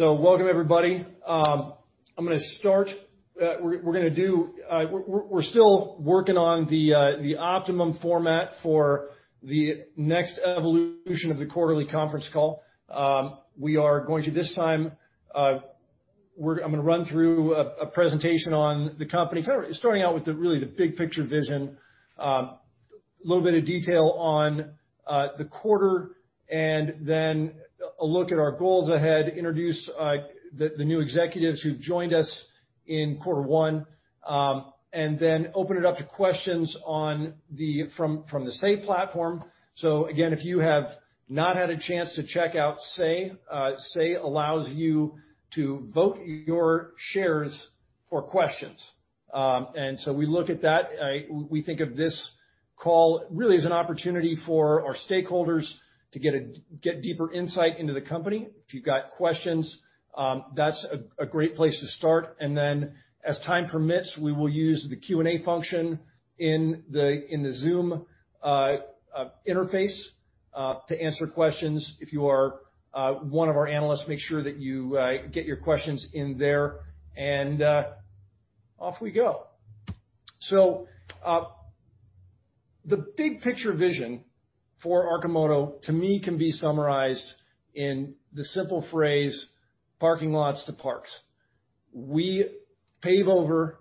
Welcome everybody. We're still working on the optimum format for the next evolution of the quarterly conference call. I'm going to run through a presentation on the company, starting out with really the big picture vision. A little bit of detail on the quarter and then a look at our goals ahead, introduce the new executives who've joined us in quarter one, and then open it up to questions from the Say platform. Again, if you have not had a chance to check out Say allows you to vote your shares for questions. We look at that, we think of this call really as an opportunity for our stakeholders to get deeper insight into the company. If you've got questions, that's a great place to start. As time permits, we will use the Q&A function in the Zoom interface to answer questions. If you are one of our analysts, make sure that you get your questions in there and off we go. The big picture vision for Arcimoto, to me, can be summarized in the simple phrase, parking lots to parks. We pave over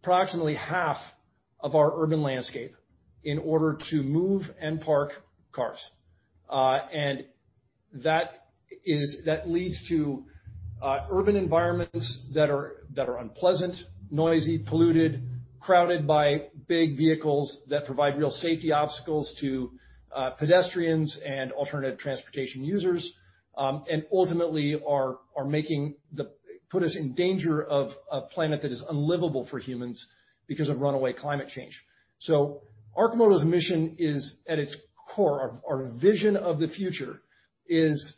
approximately half of our urban landscape in order to move and park cars. That leads to urban environments that are unpleasant, noisy, polluted, crowded by big vehicles that provide real safety obstacles to pedestrians and alternative transportation users, and ultimately put us in danger of a planet that is unlivable for humans because of runaway climate change. Arcimoto's mission is at its core, our vision of the future is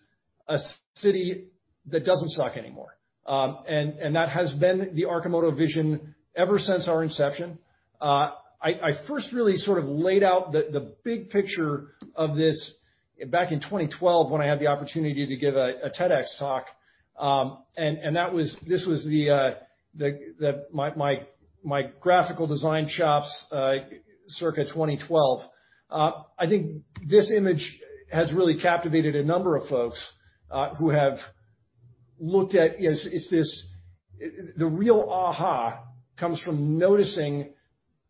a city that doesn't suck anymore. That has been the Arcimoto vision ever since our inception. I first really sort of laid out the big picture of this back in 2012 when I had the opportunity to give a TEDx talk. This was my graphical design chops circa 2012. I think this image has really captivated a number of folks who have looked at, the real aha comes from noticing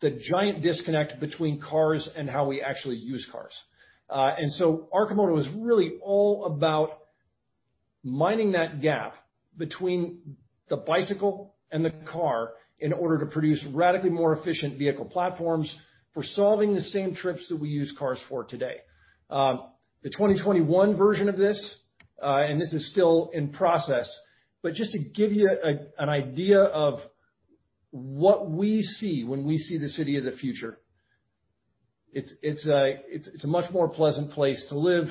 the giant disconnect between cars and how we actually use cars. Arcimoto is really all about mining that gap between the bicycle and the car in order to produce radically more efficient vehicle platforms for solving the same trips that we use cars for today. The 2021 version of this, and this is still in process, but just to give you an idea of what we see when we see the city of the future, it's a much more pleasant place to live,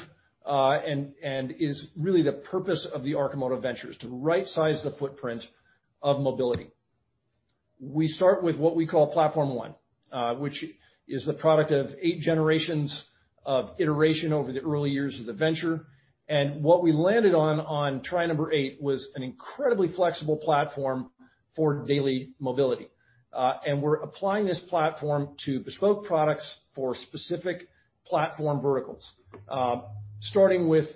and is really the purpose of the Arcimoto venture, is to rightsize the footprint of mobility. We start with what we call Platform 1, which is the product of eight generations of iteration over the early years of the venture. What we landed on try number eight, was an incredibly flexible platform for daily mobility. We're applying this platform to bespoke products for specific platform verticals. Starting with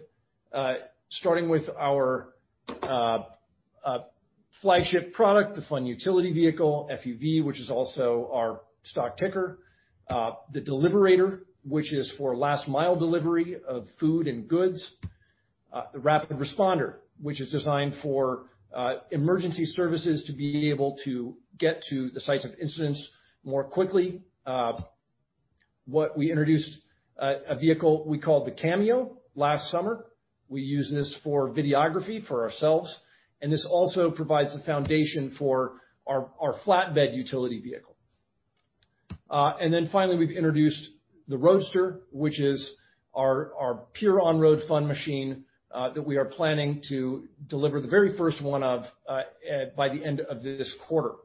our flagship product, the Fun Utility Vehicle, FUV, which is also our stock ticker. The Deliverator, which is for last-mile delivery of food and goods. The Rapid Responder, which is designed for emergency services to be able to get to the sites of incidents more quickly. We introduced a vehicle we call the Cameo last summer. We use this for videography for ourselves, and this also provides the foundation for our flatbed utility vehicle. Finally, we've introduced the Roadster, which is our pure on-road fun machine, that we are planning to deliver the very first one by the end of this quarter.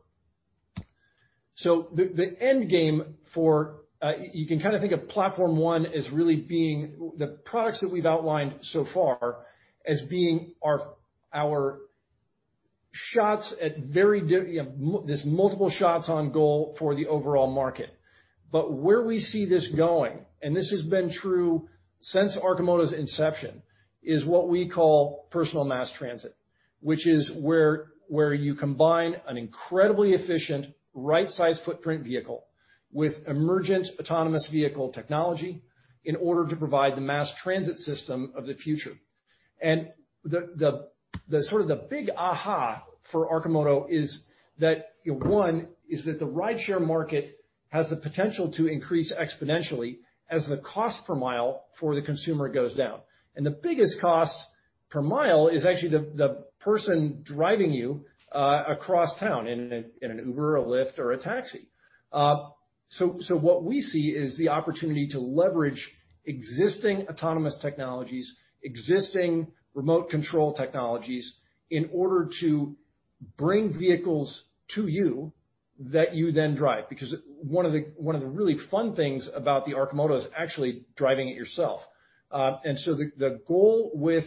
The end game, you can kind of think of Platform 1 as really being the products that we've outlined so far as being our shots at. There's multiple shots on goal for the overall market. Where we see this going, and this has been true since Arcimoto's inception, is what we call personal mass transit. Which is where you combine an incredibly efficient right-sized footprint vehicle with emergent autonomous vehicle technology in order to provide the mass transit system of the future. The big aha for Arcimoto is that, one, is that the rideshare market has the potential to increase exponentially as the cost per mile for the consumer goes down. The biggest cost per mile is actually the person driving you across town in an Uber, a Lyft, or a taxi. What we see is the opportunity to leverage existing autonomous technologies, existing remote control technologies in order to-bring vehicles to you that you then drive. Because one of the really fun things about the Arcimoto is actually driving it yourself. The goal with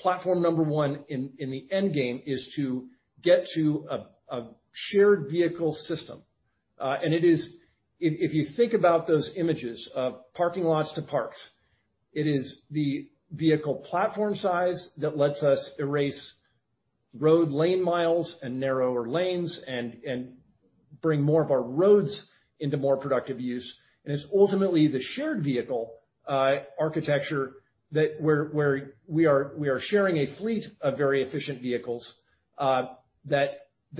platform number one in the end game is to get to a shared vehicle system. If you think about those images of parking lots to parks, it is the vehicle platform size that lets us erase road lane miles and narrower lanes and bring more of our roads into more productive use. It's ultimately the shared vehicle architecture where we are sharing a fleet of very efficient vehicles that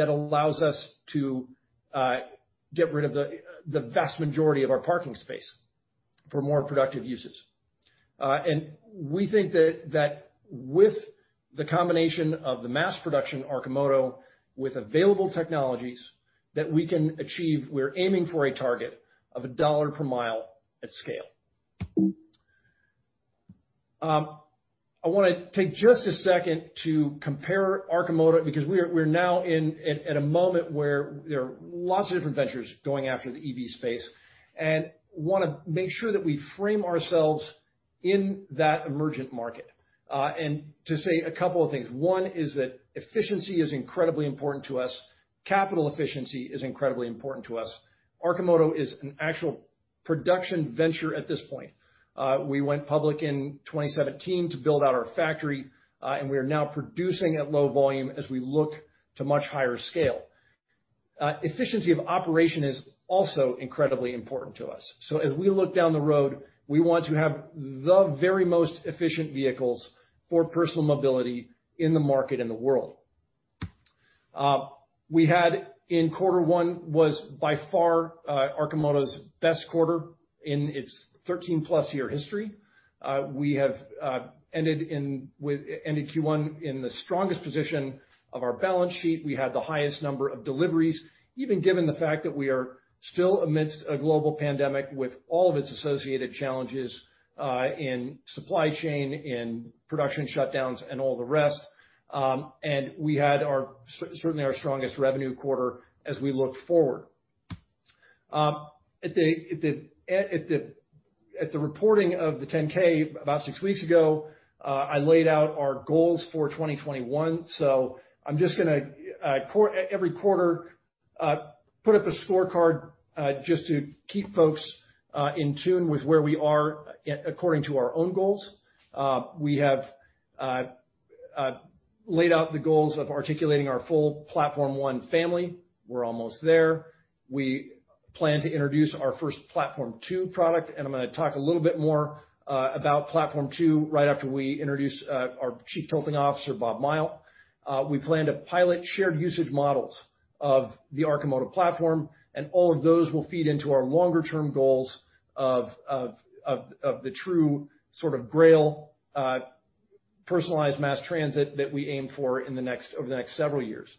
allows us to get rid of the vast majority of our parking space for more productive uses. We think that with the combination of the mass production Arcimoto with available technologies that we can achieve, we're aiming for a target of $1 per mile at scale. I want to take just a second to compare Arcimoto, because we're now in a moment where there are lots of different ventures going after the EV space, and want to make sure that we frame ourselves in that emergent market. To say a couple of things. One is that efficiency is incredibly important to us. Capital efficiency is incredibly important to us. Arcimoto is an actual production venture at this point. We went public in 2017 to build out our factory, and we are now producing at low volume as we look to much higher scale. Efficiency of operation is also incredibly important to us. As we look down the road, we want to have the very most efficient vehicles for personal mobility in the market in the world. We had in quarter one was by far Arcimoto's best quarter in its 13+ year history. We have ended Q1 in the strongest position of our balance sheet. We had the highest number of deliveries, even given the fact that we are still amidst a global pandemic with all of its associated challenges, in supply chain, in production shutdowns and all the rest. We had certainly our strongest revenue quarter as we look forward. At the reporting of the 10-K about six weeks ago, I laid out our goals for 2021. I'm just going to, every quarter, put up a scorecard, just to keep folks in tune with where we are according to our own goals. We have laid out the goals of articulating our full Platform 1 family. We're almost there. We plan to introduce our first Platform 2 product, and I'm going to talk a little bit more about Platform 2 right after we introduce our Chief Tilting Officer, Bob Mighell. We plan to pilot shared usage models of the Arcimoto platform. All of those will feed into our longer-term goals of the true sort of grail, personalized mass transit that we aim for over the next several years.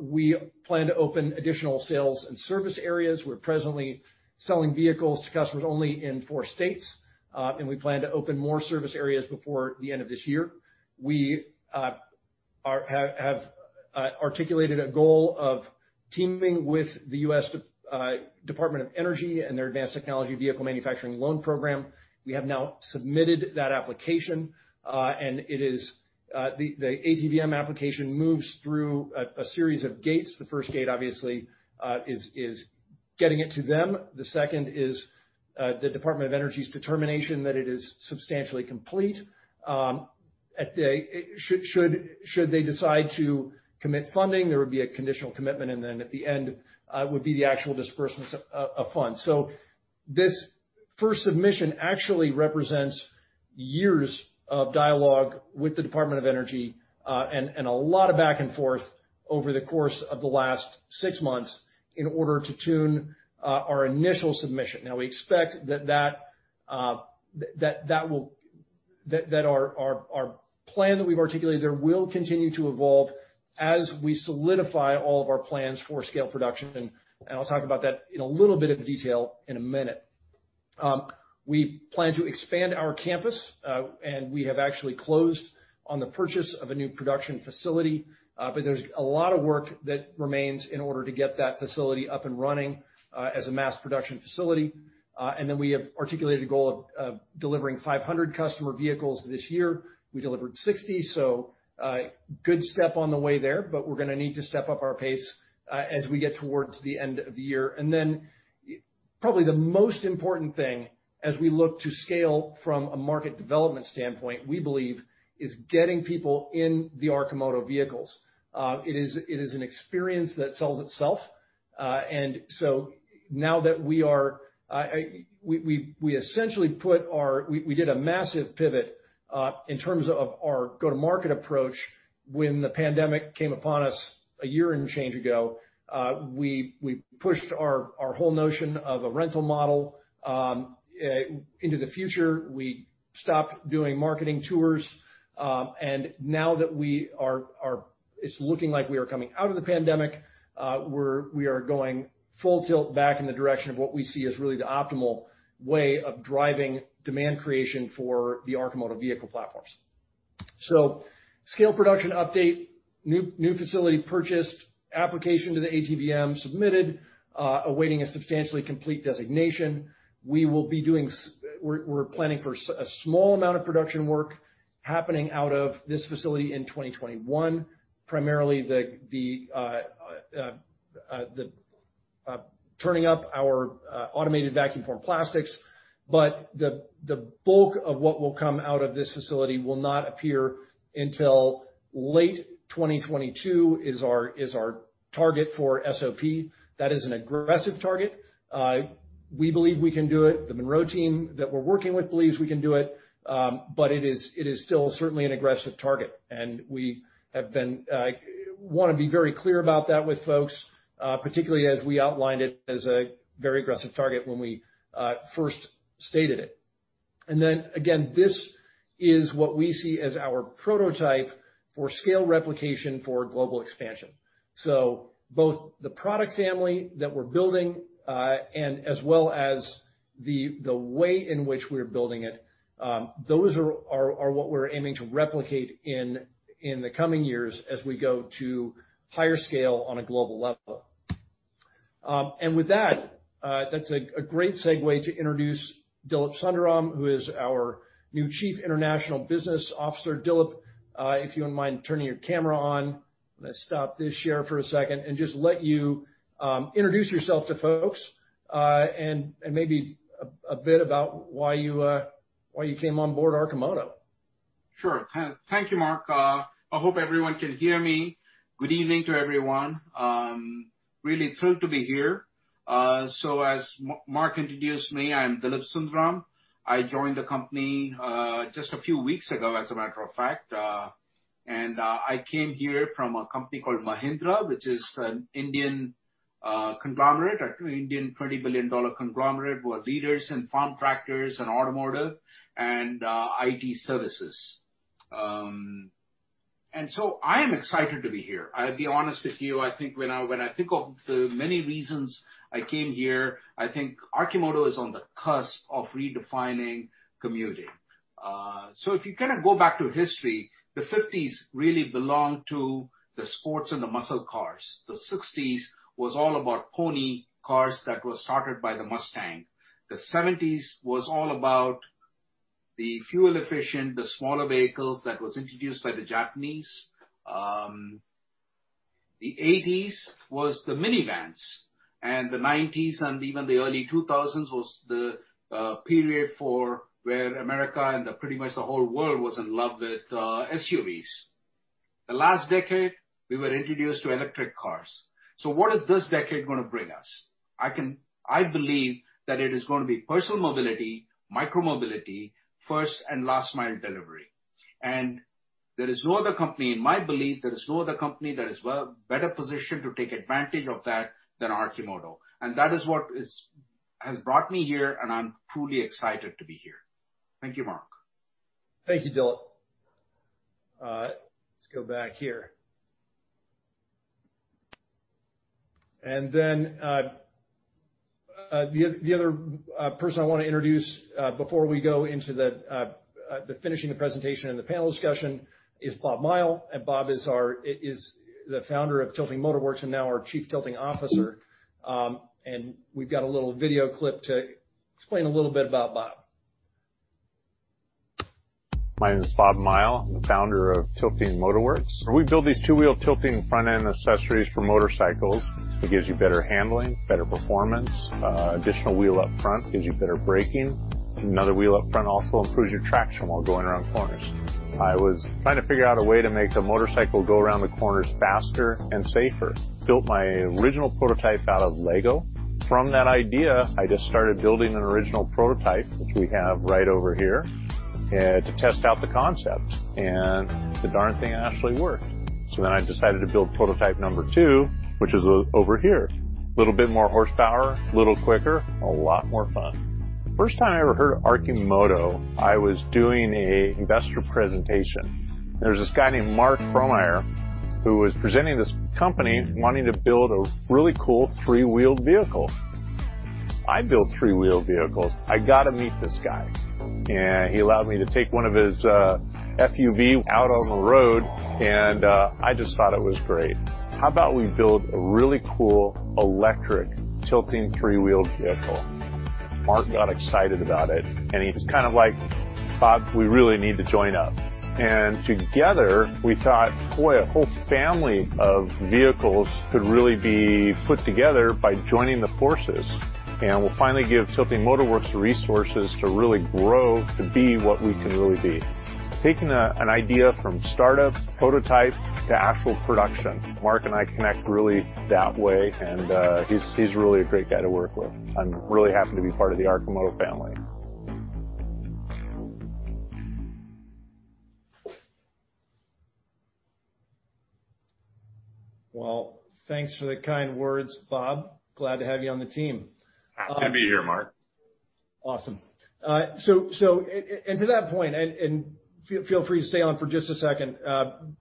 We plan to open additional sales and service areas. We're presently selling vehicles to customers only in four states. We plan to open more service areas before the end of this year. We have articulated a goal of teaming with the U.S. Department of Energy and their Advanced Technology Vehicles Manufacturing Loan Program. We have now submitted that application. The ATVM application moves through a series of gates. The first gate, obviously, is getting it to them. The second is the Department of Energy's determination that it is substantially complete. Should they decide to commit funding, there would be a conditional commitment, and then at the end would be the actual disbursement of funds. This first submission actually represents years of dialogue with the U.S. Department of Energy, and a lot of back and forth over the course of the last six months in order to tune our initial submission. We expect that our plan that we've articulated there will continue to evolve as we solidify all of our plans for scale production. I'll talk about that in a little bit of detail in a minute. We plan to expand our campus, and we have actually closed on the purchase of a new production facility. There's a lot of work that remains in order to get that facility up and running as a mass production facility. We have articulated a goal of delivering 500 customer vehicles this year. We delivered 60, so good step on the way there, but we're going to need to step up our pace as we get towards the end of the year. Probably the most important thing as we look to scale from a market development standpoint, we believe, is getting people in the Arcimoto vehicles. It is an experience that sells itself. Now that we did a massive pivot in terms of our go-to-market approach when the pandemic came upon us a year and change ago. We pushed our whole notion of a rental model into the future. We stopped doing marketing tours. Now that it's looking like we are coming out of the pandemic, we are going full tilt back in the direction of what we see as really the optimal way of driving demand creation for the Arcimoto vehicle platforms. Scale production update, new facility purchased, application to the ATVM submitted, awaiting a substantially complete designation. We're planning for a small amount of production work happening out of this facility in 2021, primarily turning up our automated vacuum form plastics. The bulk of what will come out of this facility will not appear until late 2022, is our target for SOP. That is an aggressive target. We believe we can do it. The Munro team that we're working with believes we can do it, but it is still certainly an aggressive target, and we want to be very clear about that with folks, particularly as we outlined it as a very aggressive target when we first stated it. Again, this is what we see as our prototype for scale replication for global expansion. Both the product family that we're building, and as well as the way in which we are building it, those are what we're aiming to replicate in the coming years as we go to higher scale on a global level. With that's a great segue to introduce Dilip Sundaram, who is our new Chief International Business Officer. Dilip, if you wouldn't mind turning your camera on. I'm going to stop this share for a second and just let you introduce yourself to folks, and maybe a bit about why you came on board Arcimoto. Sure. Thank you, Mark. I hope everyone can hear me. Good evening to everyone. Really thrilled to be here. As Mark introduced me, I'm Dilip Sundaram. I joined the company just a few weeks ago, as a matter of fact. I came here from a company called Mahindra, which is an Indian conglomerate, an Indian $20 billion conglomerate. We're leaders in farm tractors and automotive and IT services. I am excited to be here. I'll be honest with you, when I think of the many reasons I came here, I think Arcimoto is on the cusp of redefining commuting. If you kind of go back to history, the 1950s really belonged to the sports and the muscle cars. The '60s was all about pony cars that were started by the Mustang. The 1970s was all about the fuel efficient, the smaller vehicles that was introduced by the Japanese. The 1980s was the minivans. The 1990s and even the early 2000s was the period where America and pretty much the whole world was in love with SUVs. The last decade, we were introduced to electric cars. What is this decade going to bring us? I believe that it is going to be personal mobility, micro-mobility first and last mile delivery. In my belief, there is no other company that is well better positioned to take advantage of that than Arcimoto. That is what has brought me here, and I'm truly excited to be here. Thank you, Mark. Thank you, Dilip. Let's go back here. The other person I want to introduce before we go into the finishing the presentation and the panel discussion is Bob Mighell. Bob is the founder of Tilting Motor Works and now our Chief Tilting Officer. We've got a little video clip to explain a little bit about Bob. My name is Bob Mighell, the founder of Tilting Motor Works. We build these two-wheel tilting front-end accessories for motorcycles. It gives you better handling, better performance. Additional wheel up front gives you better braking. Another wheel up front also improves your traction while going around corners. I was trying to figure out a way to make the motorcycle go around the corners faster and safer. Built my original prototype out of Lego. From that idea, I just started building an original prototype, which we have right over here, to test out the concept, and the darn thing actually worked. I decided to build prototype number two, which is over here. A little bit more horsepower, a little quicker, a lot more fun. The first time I ever heard of Arcimoto, I was doing an investor presentation. There was this guy named Mark Frohnmayer who was presenting this company wanting to build a really cool three-wheeled vehicle. I build three-wheeled vehicles. I got to meet this guy, and he allowed me to take one of his FUV out on the road, and I just thought it was great. How about we build a really cool electric tilting three-wheeled vehicle? Mark got excited about it, he was kind of like, Bob, we really need to join up. Together we thought, boy, a whole family of vehicles could really be put together by joining the forces. We'll finally give Tilting Motor Works the resources to really grow to be what we can really be. Taking an idea from startup prototype to actual production. Mark and I connect really that way, and he's really a great guy to work with. I'm really happy to be part of the Arcimoto family. Well, thanks for the kind words, Bob. Glad to have you on the team. Happy to be here, Mark. Awesome. To that point, feel free to stay on for just a second.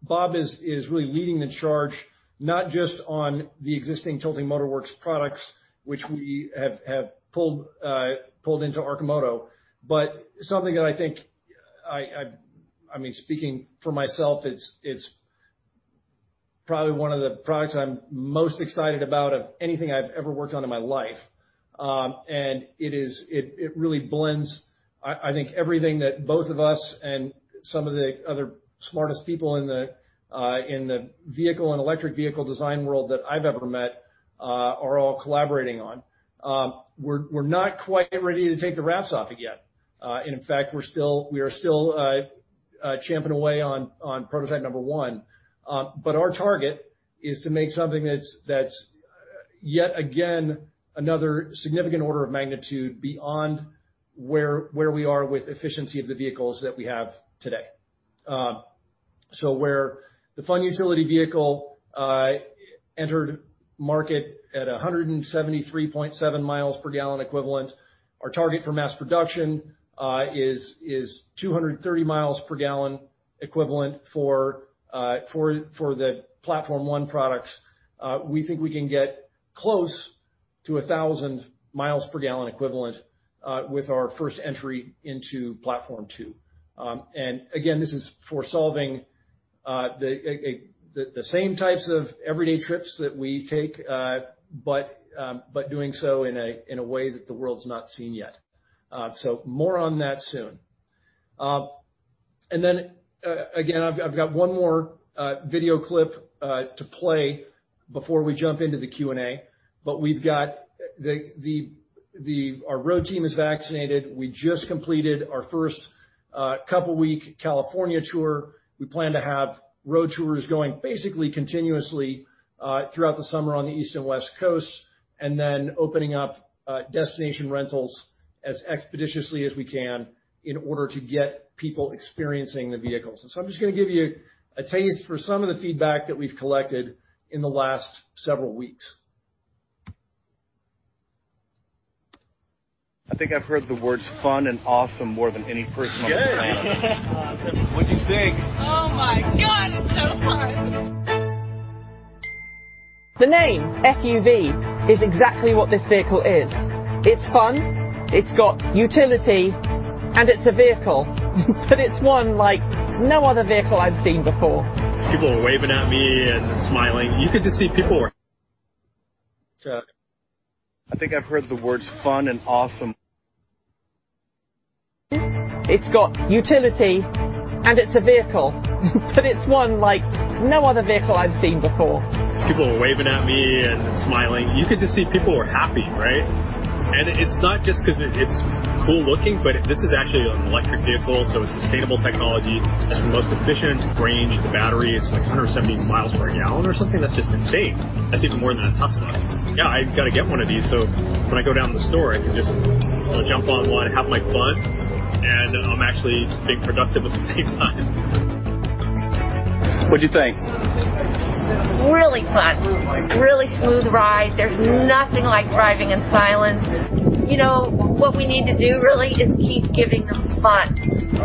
Bob is really leading the charge, not just on the existing Tilting Motor Works products, which we have pulled into Arcimoto, but something that I think, speaking for myself, probably one of the products I'm most excited about of anything I've ever worked on in my life. It really blends, I think everything that both of us and some of the other smartest people in the vehicle and electric vehicle design world that I've ever met are all collaborating on. We're not quite ready to take the wraps off yet. In fact, we are still champing away on prototype number one. Our target is to make something that's yet again, another significant order of magnitude beyond where we are with efficiency of the vehicles that we have today. Where the Fun Utility Vehicle entered market at 173.7 mi per gallon equivalent, our target for mass production is 230 mi per gallon equivalent for the Platform 1 products. We think we can get close to 1,000 mi per gallon equivalent with our first entry into Platform 2. Again, this is for solving the same types of everyday trips that we take, but doing so in a way that the world's not seen yet. More on that soon. Then, again, I've got one more video clip to play before we jump into the Q&A. We've got our road team is vaccinated. We just completed our first couple week California tour. We plan to have road tours going basically continuously throughout the summer on the East and West Coast, and then opening up destination rentals as expeditiously as we can in order to get people experiencing the vehicles. I'm just going to give you a taste for some of the feedback that we've collected in the last several weeks. I think I've heard the words fun and awesome more than any person on the planet. Sure. What'd you think? Oh, my God, it's so fun. The name FUV is exactly what this vehicle is. It's fun, it's got utility, and it's a vehicle. It's one like no other vehicle I've seen before. People were waving at me and smiling. You could just see people were happy, right? It's not just because it's cool looking, but this is actually an electric vehicle, so it's sustainable technology. It's the most efficient range battery. It's like 170 mi per gallon or something. That's just insane. That's even more than a Tesla. Yeah, I've got to get one of these, so when I go down to the store, I can just jump on one, have my plug, and I'm actually being productive with the same time. What'd you think? Really fun. Really smooth ride. There's nothing like riding in silence. What we need to do really is just keep giving the fun.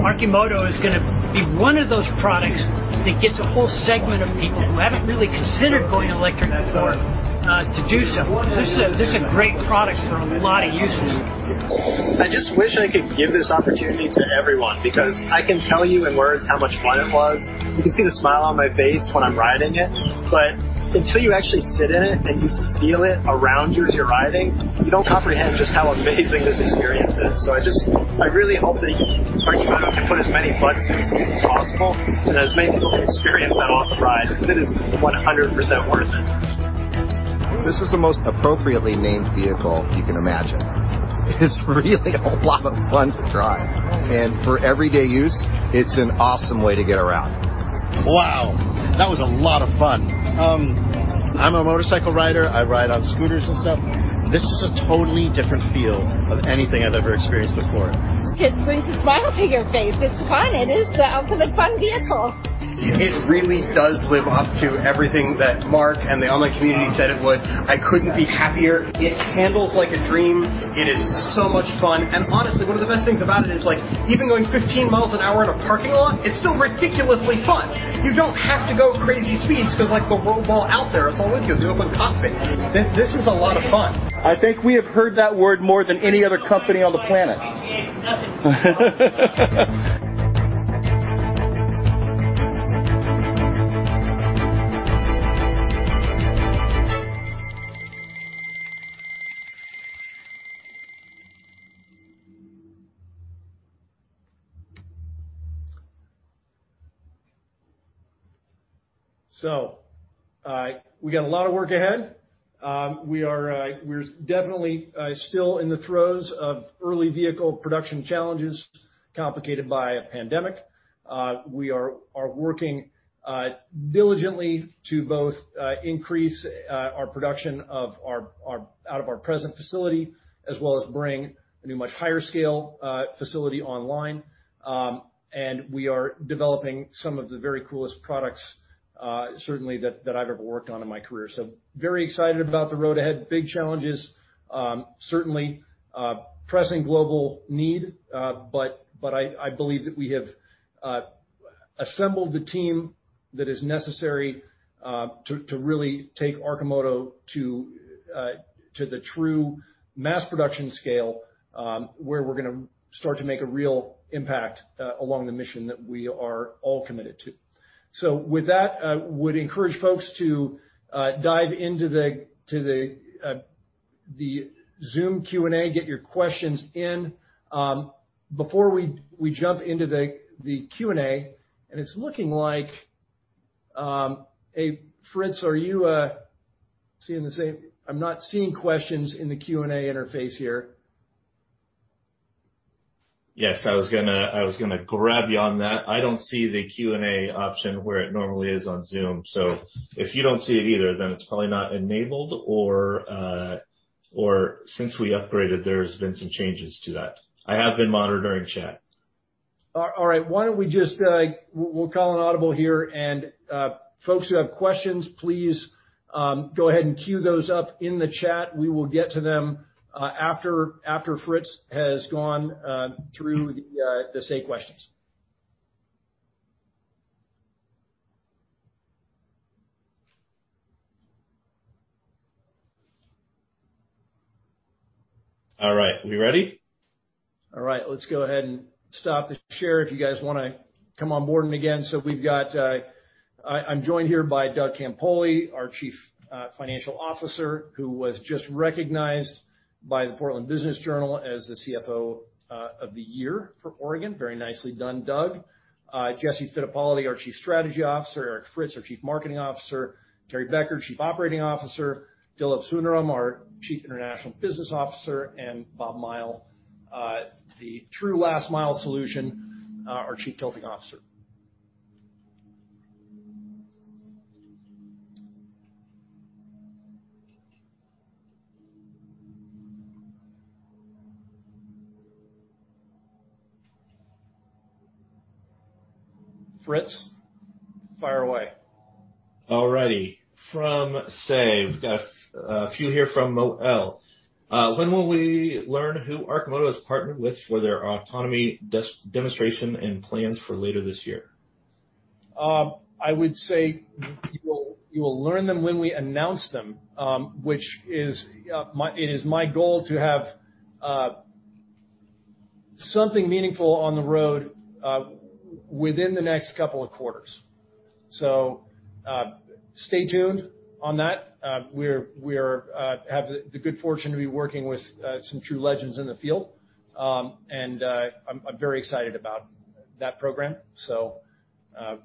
Arcimoto is going to be one of those products that gets a whole segment of people who haven't really considered going electric before, to do so. This is a great product for a lot of uses. I just wish I could give this opportunity to everyone because I can tell you in words how much fun it was. You can see the smile on my face when I'm riding it. Until you actually sit in it and you feel it around you as you're riding, you don't comprehend just how amazing this experience is. I really hope that Arcimoto can put as many butts in these seats as possible and as many people experience that awesome ride, because it is 100% worth it. This is the most appropriately named vehicle you can imagine. It's really a lot of fun to drive. For everyday use, it's an awesome way to get around. Wow, that was a lot of fun. I'm a motorcycle rider. I ride on scooters and stuff. This is a totally different feel of anything I've ever experienced before. It brings a smile to your face. It's fun. It is the ultimate fun vehicle. It really does live up to everything that Mark and the online community said it would. I couldn't be happier. It handles like a dream. It is so much fun. Honestly, one of the best things about it is even going 15 mi an hour in a parking lot, it's still ridiculously fun. You don't have to go crazy speeds because the road's all out there. It's all with you. The open cockpit, this is a lot of fun. I think we have heard that word more than any other company on the planet. We got a lot of work ahead. We're definitely still in the throes of early vehicle production challenges, complicated by a pandemic. We are working diligently to both increase our production out of our present facility as well as bring a new, much higher scale facility online. We are developing some of the very coolest products, certainly that I've ever worked on in my career. Very excited about the road ahead. Big challenges, certainly, pressing global need. I believe that we have assembled the team that is necessary to really take Arcimoto to the true mass production scale, where we're going to start to make a real impact along the mission that we are all committed to. With that, I would encourage folks to dive into the Zoom Q&A, get your questions in. Before we jump into the Q&A, Hey, Fritz, are you seeing the same? I'm not seeing questions in the Q&A interface here. Yes, I was going to grab you on that. I don't see the Q&A option where it normally is on Zoom. If you don't see it either, then it's probably not enabled or since we upgraded, there's been some changes to that. I have been monitoring chat. All right. Why don't we just, we'll call an audible here. Folks who have questions, please go ahead and queue those up in the chat. We will get to them after Fritz has gone through the Say questions. All right, we ready? All right, let's go ahead and stop the share if you guys want to come on board again. We've got, I'm joined here by Doug Campoli, our Chief Financial Officer, who was just recognized by the Portland Business Journal as the CFO of the Year for Oregon. Very nicely done, Doug. Jesse Fittipaldi, our Chief Strategy Officer, Eric Fritz, our Chief Marketing Officer, Terry Becker, Chief Operating Officer, Dilip Sundaram, our Chief International Business Officer, and Bob Mighell, the true last mile solution, our Chief Tilting Officer. Fritz, fire away. All righty. From Say. We've got a few here from Mo L. When will we learn who Arcimoto has partnered with for their autonomy demonstration and plans for later this year? I would say you'll learn them when we announce them, which it is my goal to have something meaningful on the road within the next couple of quarters. Stay tuned on that. We have the good fortune to be working with some true legends in the field. I'm very excited about that program.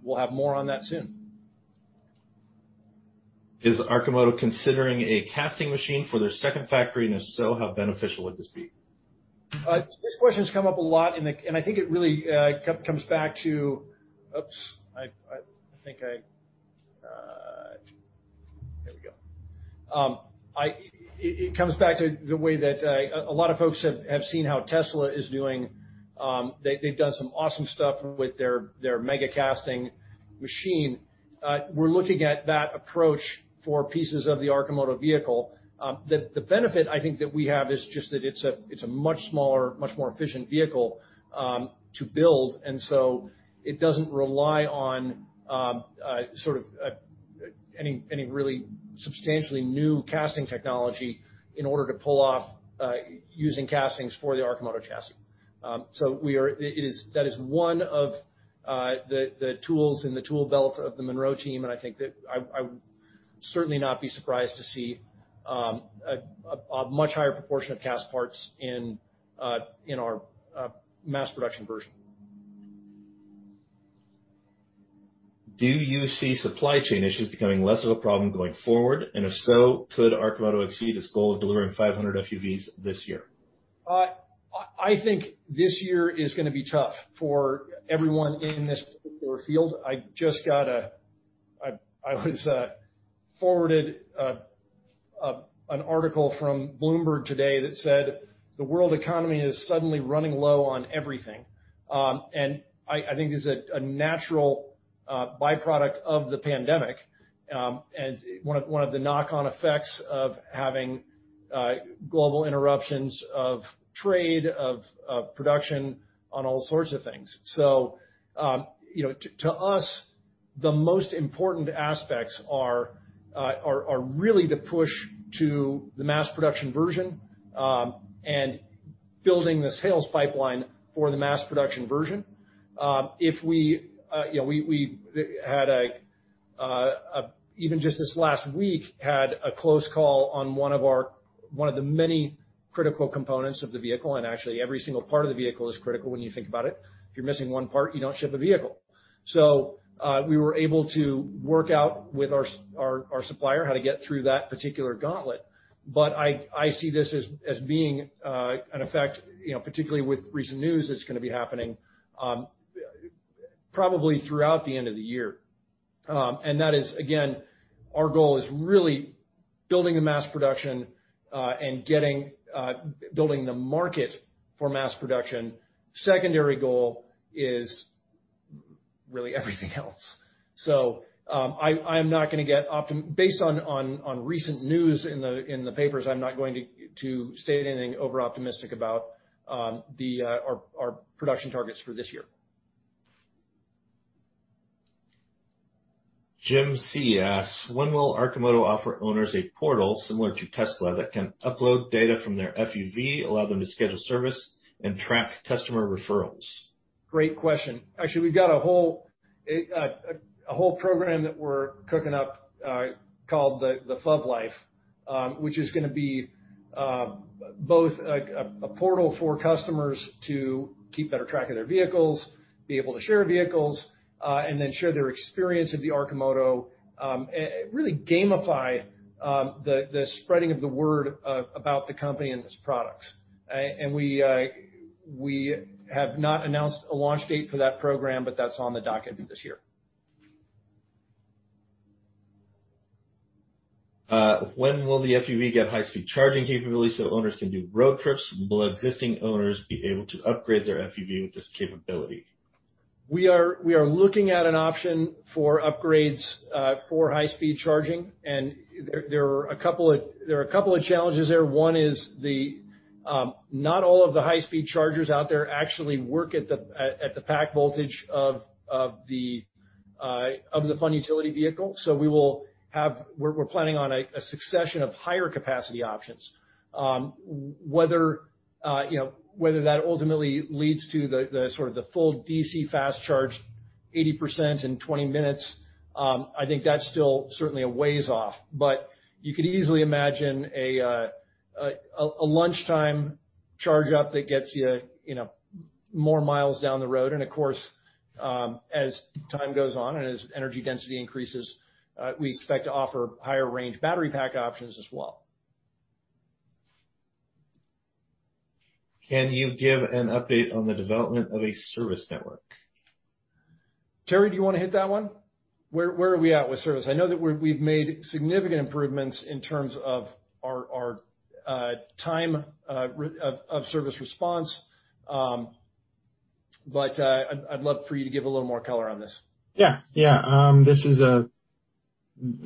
We'll have more on that soon. Is Arcimoto considering a casting machine for their second factory? If so, how beneficial would this be? This question's come up a lot. It really comes back to the way that a lot of folks have seen how Tesla is doing. They've done some awesome stuff with their mega casting machine. We're looking at that approach for pieces of the Arcimoto vehicle. The benefit I think that we have is just that it's a much smaller, much more efficient vehicle to build. It doesn't rely on any really substantially new casting technology in order to pull off using castings for the Arcimoto chassis. That is one of the tools in the tool belt of the Munro team, and I think that I would certainly not be surprised to see a much higher proportion of cast parts in our mass production version. Do you see supply chain issues becoming less of a problem going forward? If so, could Arcimoto exceed its goal of delivering 500 FUVs this year? I think this year is going to be tough for everyone in this particular field. I was forwarded an article from Bloomberg today that said the world economy is suddenly running low on everything. I think it's a natural byproduct of the pandemic, and one of the knock-on effects of having global interruptions of trade, of production on all sorts of things. To us, the most important aspects are really to push to the mass production version, and building the sales pipeline for the mass production version. We had, even just this last week, had a close call on one of the many critical components of the vehicle. Actually, every single part of the vehicle is critical when you think about it. If you're missing one part, you don't ship a vehicle. We were able to work out with our supplier how to get through that particular gauntlet. I see this as being an effect, particularly with recent news, that's going to be happening probably throughout the end of the year. That is, again, our goal is really building the mass production, and building the market for mass production. Secondary goal is really everything else. Based on recent news in the papers, I'm not going to state anything over-optimistic about our production targets for this year. Jim C. asks, When will Arcimoto offer owners a portal similar to Tesla that can upload data from their FUV, allow them to schedule service, and track customer referrals? Great question. Actually, we've got a whole program that we're cooking up called the FUV Life, which is going to be both a portal for customers to keep better track of their vehicles, be able to share vehicles, and then share their experience of the Arcimoto, and really gamify the spreading of the word about the company and its products. We have not announced a launch date for that program, but that's on the docket for this year. When will the FUV get high-speed charging capabilities so owners can do road trips? Will existing owners be able to upgrade their FUV with this capability? We are looking at an option for upgrades for high-speed charging. There are a couple of challenges there. One is not all of the high-speed chargers out there actually work at the pack voltage of the Fun Utility Vehicle. We're planning on a succession of higher-capacity options. Whether that ultimately leads to the full DC fast charging, 80% in 20 minutes, I think that's still certainly a ways off. You could easily imagine a lunchtime charge up that gets you more miles down the road. Of course, as time goes on and as energy density increases, we expect to offer higher range battery pack options as well. Can you give an update on the development of a service network? Terry, do you want to hit that one? Where are we at with service? I know that we've made significant improvements in terms of our time of service response. I'd love for you to give a little more color on this.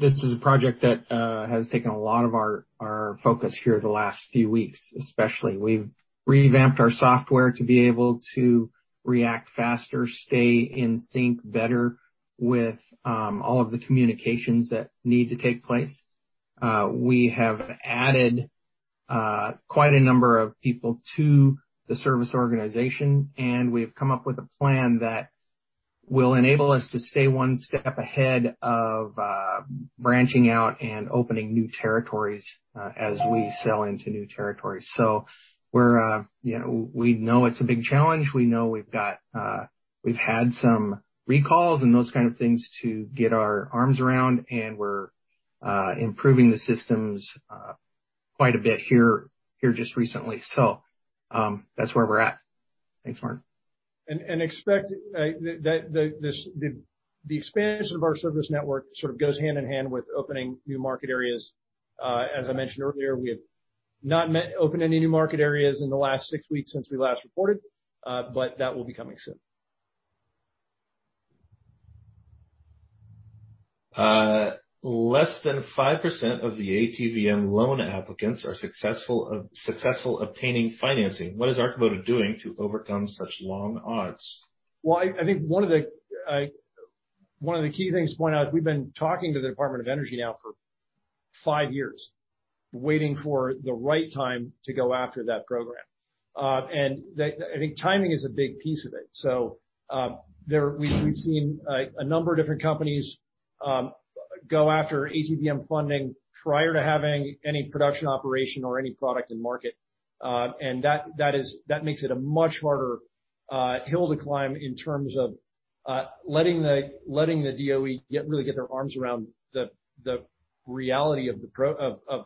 This is a project that has taken a lot of our focus here the last few weeks, especially. We've revamped our software to be able to react faster, stay in sync better with all of the communications that need to take place. We have added quite a number of people to the service organization, and we've come up with a plan that will enable us to stay one step ahead of branching out and opening new territories as we sell into new territories. We know it's a big challenge. We know we've had some recalls and those kinds of things to get our arms around, and we're improving the systems quite a bit here just recently. That's where we're at. Thanks, Mark. Expect the expansion of our service network sort of goes hand-in-hand with opening new market areas. As I mentioned earlier, we have not opened any new market areas in the last six weeks since we last reported. That will be coming soon. Less than 5% of the ATVM loan applicants are successful obtaining financing. What is Arcimoto doing to overcome such long odds? Well, I think one of the key things to point out is we've been talking to the Department of Energy now for five years, waiting for the right time to go after that program. I think timing is a big piece of it. We've seen a number of different companies go after ATVM funding prior to having any production operation or any product in market. That makes it a much harder hill to climb in terms of letting the DOE really get their arms around the reality of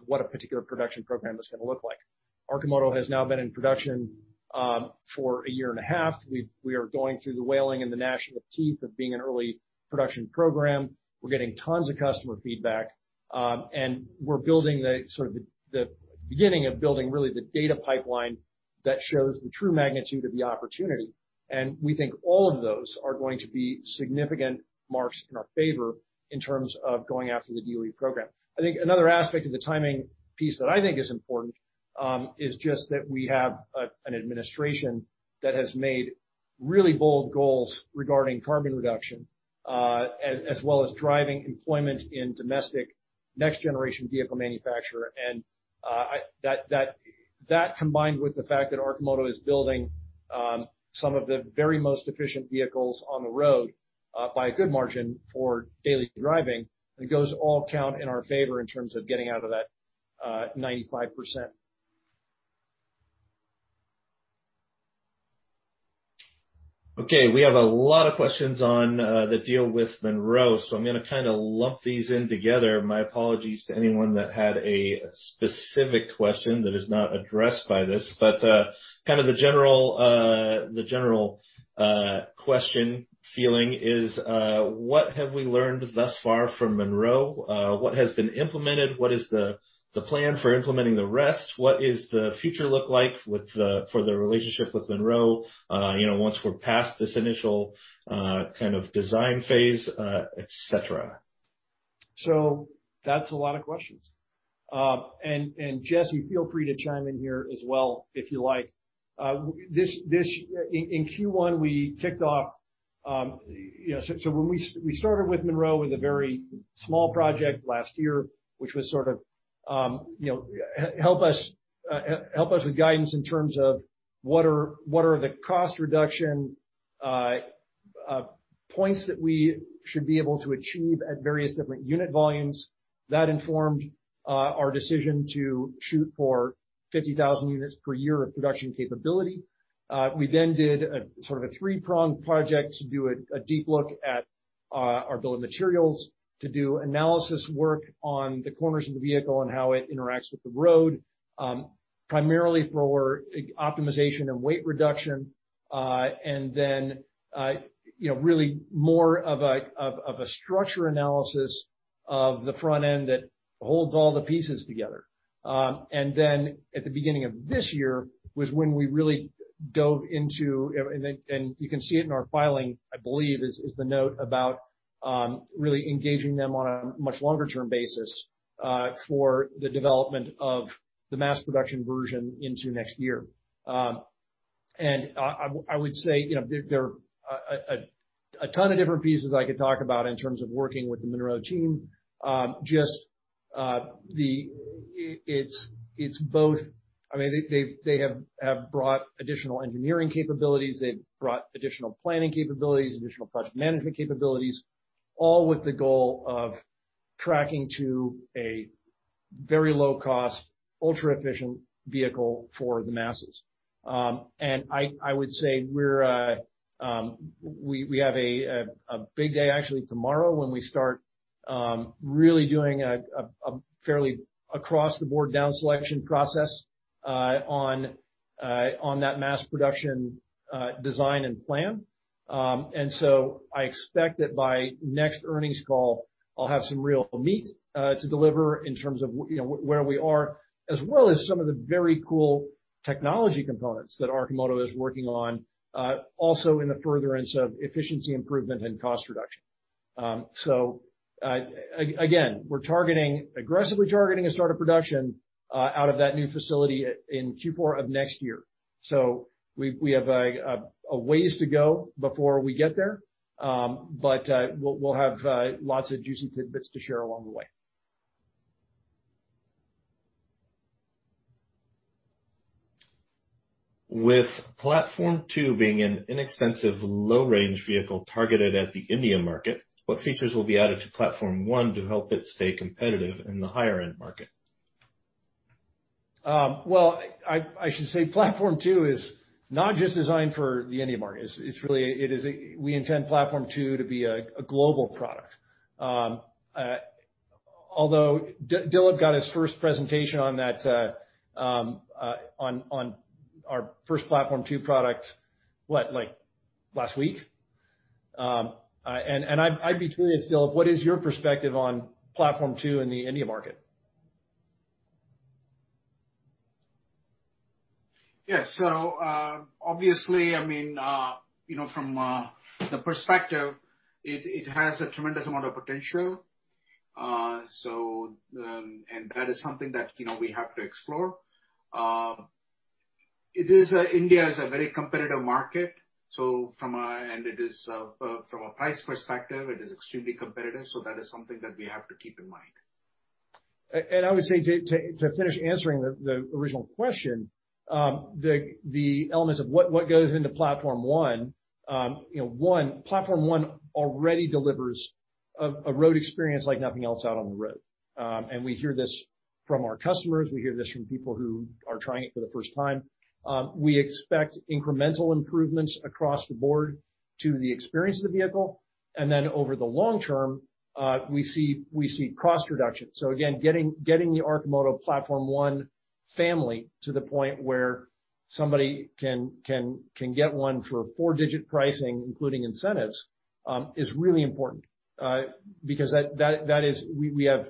what a particular production program is going to look like. Arcimoto has now been in production for a year and a half. We are going through the wailing and the gnashing of teeth of being an early production program. We're getting tons of customer feedback. We're building the beginning of building really the data pipeline that shows the true magnitude of the opportunity. We think all of those are going to be significant marks in our favor in terms of going after the DOE program. I think another aspect of the timing piece that I think is important is just that we have an administration that has made really bold goals regarding carbon reduction, as well as driving employment in domestic next-generation vehicle manufacturer. That combined with the fact that Arcimoto is building some of the very most efficient vehicles on the road by a good margin for daily driving, those all count in our favor in terms of getting out of that 95%. We have a lot of questions on the deal with Munro. I'm going to kind of lump these in together. My apologies to anyone that had a specific question that is not addressed by this. The general question feeling is, what have we learned thus far from Munro? What has been implemented? What is the plan for implementing the rest? What is the future look like for the relationship with Munro once we're past this initial kind of design phase, et cetera? That's a lot of questions. Jesse, feel free to chime in here as well if you like. In Q1, we started with Munro with a very small project last year, which helped us with guidance in terms of what are the cost reduction points that we should be able to achieve at various different unit volumes. That informed our decision to shoot for 50,000 units per year of production capability. We then did a three-pronged project to do a deep look at our bill of materials, to do analysis work on the corners of the vehicle and how it interacts with the road. Primarily for optimization and weight reduction. Then really more of a structure analysis of the front end that holds all the pieces together. Then at the beginning of this year was when we really dove into. You can see it in our filing, I believe, is the note about really engaging them on a much longer-term basis for the development of the mass production version into next year. I would say, there are a ton of different pieces I could talk about in terms of working with the Munro team. They have brought additional engineering capabilities. They have brought additional planning capabilities, additional project management capabilities, all with the goal of tracking to a very low cost, ultra-efficient vehicle for the masses. I would say we have a big day actually tomorrow when we start really doing a fairly across-the-board down selection process on that mass production design and plan. I expect that by next earnings call, I'll have some real meat to deliver in terms of where we are, as well as some of the very cool technology components that Arcimoto is working on, also in the furtherance of efficiency improvement and cost reduction. Again, we're aggressively targeting a start of production out of that new facility in Q4 of next year. We have a ways to go before we get there. We'll have lots of juicy tidbits to share along the way. With Platform 2 being an inexpensive low-range vehicle targeted at the India market, what features will be added to Platform 1 to help it stay competitive in the higher-end market? Well, I should say Platform 2 is not just designed for the India market. We intend Platform 2 to be a global product. Although Dilip got his first presentation on our first Platform 2 product, what, like last week? I'd be curious, Dilip, what is your perspective on Platform 2 in the India market? Yeah. Obviously, from the perspective, it has a tremendous amount of potential. That is something that we have to explore. India is a very competitive market, and from a price perspective, it is extremely competitive. That is something that we have to keep in mind. I would say to finish answering the original question, the elements of what goes into Platform 1. One, Platform 1 already delivers a road experience like nothing else out on the road. We hear this from our customers. We hear this from people who are trying it for the first time. We expect incremental improvements across the board to the experience of the vehicle. Over the long-term, we see cost reductions. Again, getting the Arcimoto Platform 1 family to the point where somebody can get one for four-digit pricing, including incentives, is really important. Because we have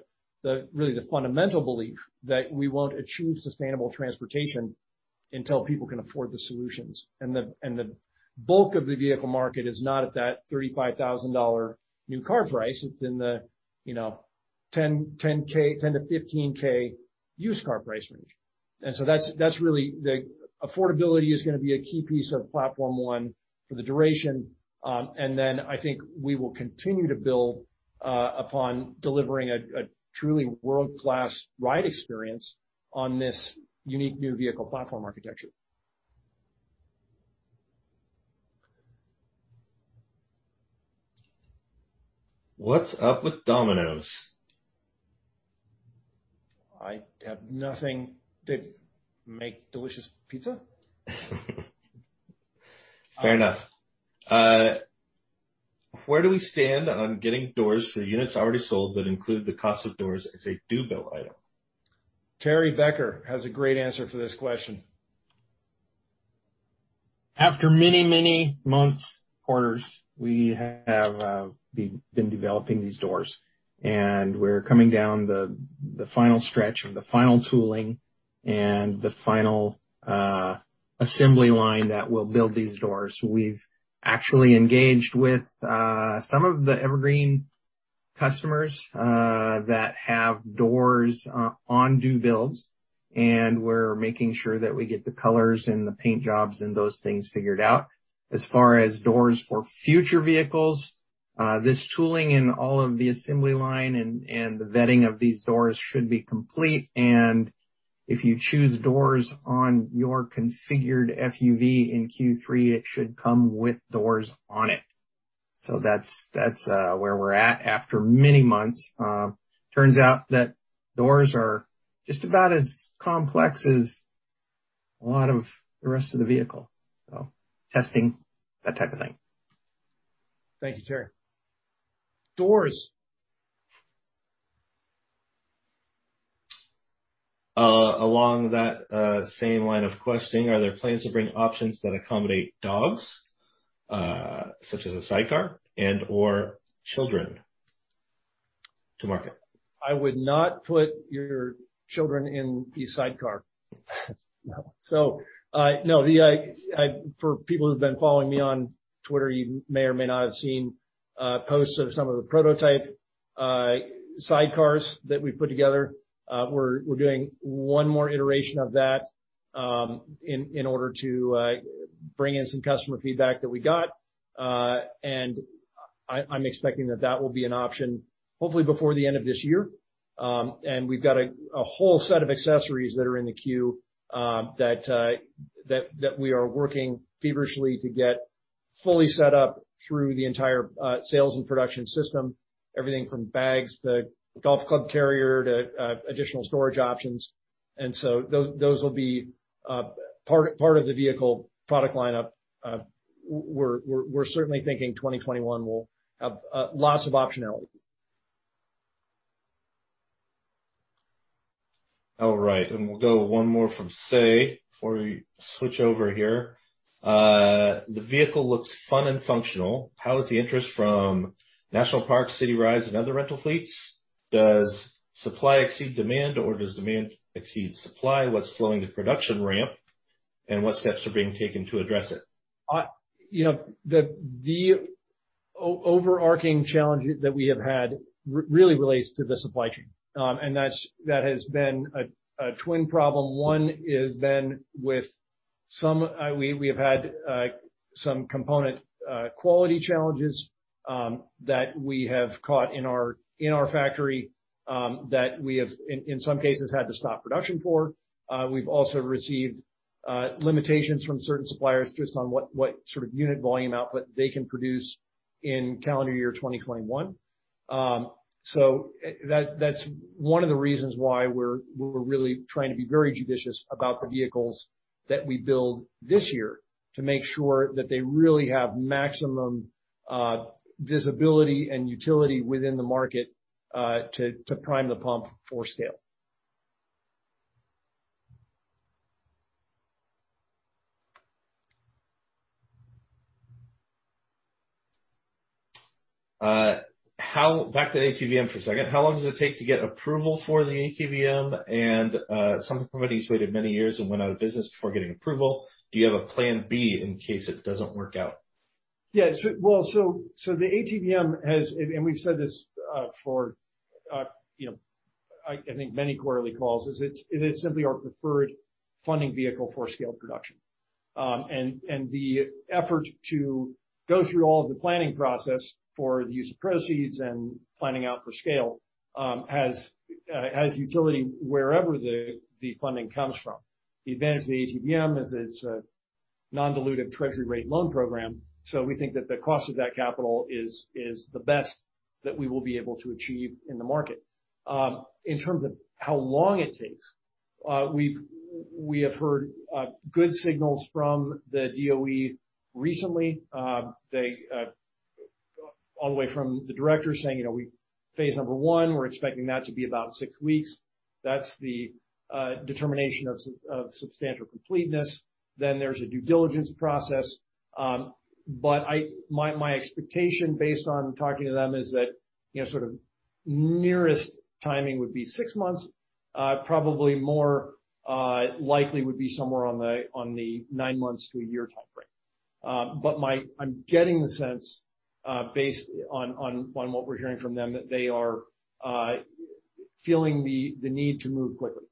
really the fundamental belief that we won't achieve sustainable transportation until people can afford the solutions. The bulk of the vehicle market is not at that $35,000 new car price. It's in the $10,000-$15,000 used car price range. Affordability is going to be a key piece of Platform 1 for the duration. I think we will continue to build upon delivering a truly world-class ride experience on this unique new vehicle platform architecture. What's up with Domino's? I have nothing. They make delicious pizza? Fair enough. Where do we stand on getting doors for units already sold that include the cost of doors as a due-bill item? Terry Becker has a great answer for this question. After many, many months, quarters, we have been developing these doors, and we're coming down the final stretch of the final tooling and the final assembly line that will build these doors. We've actually engaged with some of the evergreen customers that have doors on due bills, and we're making sure that we get the colors and the paint jobs and those things figured out. As far as doors for future vehicles, this tooling and all of the assembly line and the vetting of these doors should be complete. If you choose doors on your configured FUV in Q3, it should come with doors on it. That's where we're at after many months. Turns out that doors are just about as complex as a lot of the rest of the vehicle. Testing, that type of thing. Thank you, Terry. Doors. Along that same line of questioning, are there plans to bring options that accommodate dogs, such as a sidecar and/or children to market? I would not put your children in the sidecar. No. For people who've been following me on Twitter, you may or may not have seen posts of some of the prototype sidecars that we put together. We're doing one more iteration of that in order to bring in some customer feedback that we got. I'm expecting that that will be an option hopefully before the end of this year. We've got a whole set of accessories that are in the queue that we are working feverishly to get fully set up through the entire sales and production system, everything from bags to golf club carrier to additional storage options. Those will be part of the vehicle product lineup. We're certainly thinking 2021 will have lots of optionality. All right. We'll go one more from Say before we switch over here. The vehicle looks fun and functional. How is the interest from national parks, city rides, and other rental fleets? Does supply exceed demand, or does demand exceed supply? What's slowing the production ramp, and what steps are being taken to address it? The overarching challenge that we have had really relates to the supply chain. That has been a twin problem. One has been We have had some component quality challenges that we have caught in our factory that we have, in some cases, had to stop production for. We've also received limitations from certain suppliers just on what unit volume output they can produce in calendar year 2021. That's one of the reasons why we're really trying to be very judicious about the vehicles that we build this year to make sure that they really have maximum visibility and utility within the market to prime the pump for scale. Back to the ATVM for a second. How long does it take to get approval for the ATVM? Some companies waited many years and went out of business before getting approval. Do you have a plan B in case it doesn't work out? The ATVM has, and we've said this for I think many quarterly calls, is it is simply our preferred funding vehicle for scale production. The effort to go through all of the planning process for the use of proceeds and planning out for scale has utility wherever the funding comes from. The advantage of the ATVM is it's a non-dilutive Treasury rate loan program. We think that the cost of that capital is the best that we will be able to achieve in the market. In terms of how long it takes, we have heard good signals from the DOE recently. All the way from the director saying, phase number one, we're expecting that to be about six weeks. That's the determination of substantial completeness. There's a due diligence process. My expectation based on talking to them is that, sort of nearest timing would be six months, probably more likely would be somewhere on the nine months to a year timeframe. I'm getting the sense based on what we're hearing from them, that they are feeling the need to move quickly.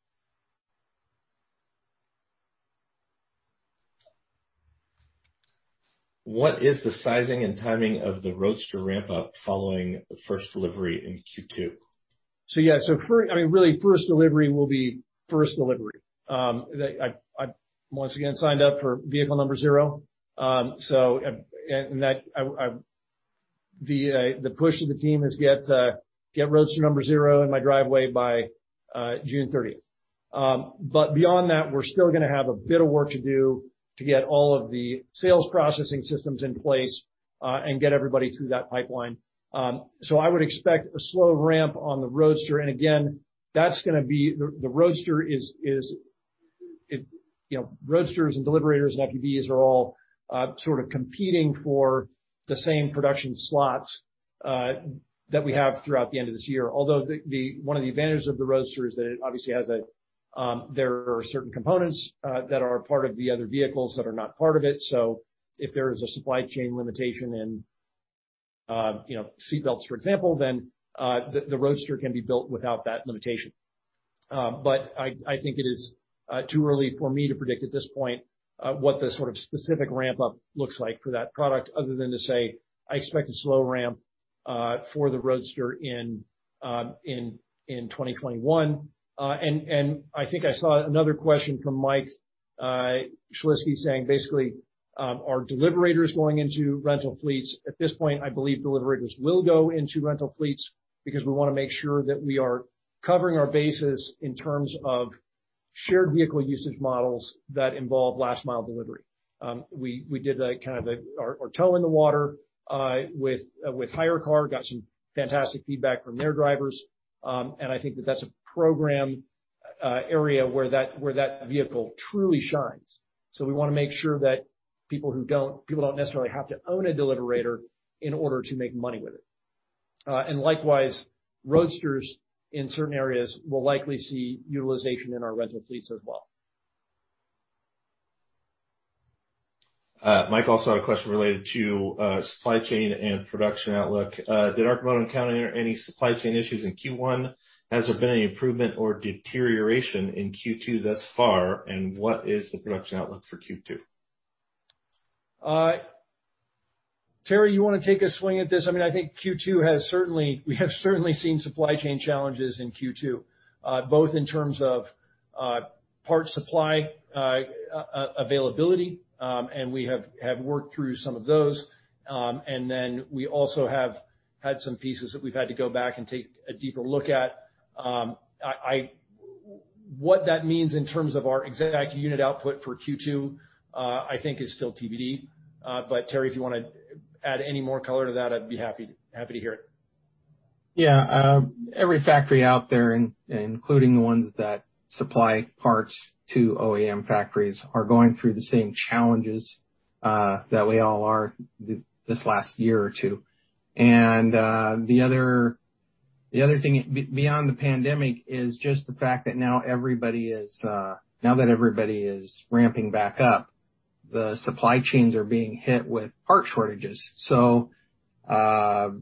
What is the sizing and timing of the Roadster ramp-up following the first delivery in Q2? Yeah. Really, first delivery will be first delivery. I've once again signed up for vehicle number zero. The push of the team is get Roadster number zero in my driveway by June 30th. Beyond that, we're still going to have a bit of work to do to get all of the sales processing systems in place and get everybody through that pipeline. I would expect a slow ramp on the Roadster. Again, Roadsters and Deliverators and FUVs are all sort of competing for the same production slots that we have throughout the end of this year. Although one of the advantages of the Roadster is that it obviously has There are certain components that are part of the other vehicles that are not part of it. If there is a supply chain limitation in seat belts, for example, then the Roadster can be built without that limitation. I think it is too early for me to predict at this point what the specific ramp-up looks like for that product other than to say I expect a slow ramp for the Roadster in 2021. I think I saw another question from Michael Shlisky saying basically, are Deliverators going into rental fleets? At this point, I believe Deliverators will go into rental fleets because we want to make sure that we are covering our bases in terms of shared vehicle usage models that involve last-mile delivery. We did our toe in the water with HyreCar, got some fantastic feedback from their drivers. I think that that's a program area where that vehicle truly shines. We want to make sure that people don't necessarily have to own a Deliverator in order to make money with it. Likewise, Roadsters in certain areas will likely see utilization in our rental fleets as well. Michael also had a question related to supply chain and production outlook. Did Arcimoto encounter any supply chain issues in Q1? Has there been any improvement or deterioration in Q2 thus far? What is the production outlook for Q2? Terry, you want to take a swing at this? I think we have certainly seen supply chain challenges in Q2 both in terms of parts supply availability and we have had worked through some of those. We also have had some pieces that we've had to go back and take a deeper look at. What that means in terms of our exact unit output for Q2, I think is still TBD. Terry, if you want to add any more color to that, I'd be happy to hear it. Yeah. Every factory out there, including the ones that supply parts to OEM factories, are going through the same challenges that we all are this last year or two. The other thing beyond the pandemic is just the fact that now that everybody is ramping back up, the supply chains are being hit with part shortages. If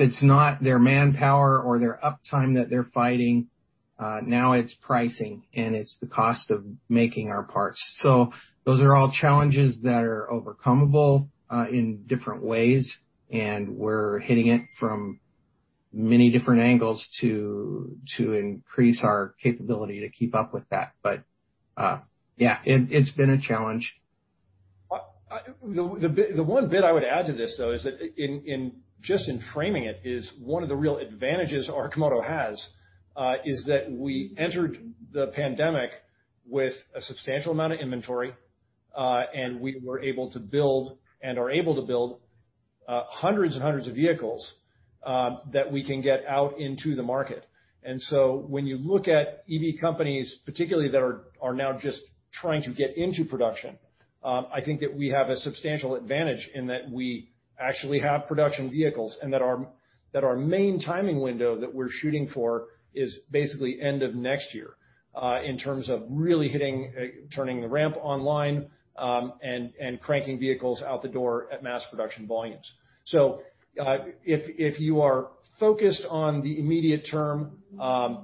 it's not their manpower or their uptime that they're fighting, now it's pricing and it's the cost of making our parts. Those are all challenges that are overcomeable in different ways, and we're hitting it from many different angles to increase our capability to keep up with that. Yeah, it's been a challenge. The one bit I would add to this, though, is that just in framing it is one of the real advantages Arcimoto has is that we entered the pandemic with a substantial amount of inventory, and we were able to build and are able to build hundreds and hundreds of vehicles that we can get out into the market. When you look at EV companies particularly that are now just trying to get into production, I think that we have a substantial advantage in that we actually have production vehicles and that our main timing window that we're shooting for is basically end of next year in terms of really turning the ramp online, and cranking vehicles out the door at mass production volumes. If you are focused on the immediate term, I